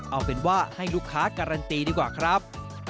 เอาเป็นว่าให้ลูกค้าการันตีดีกว่าครับ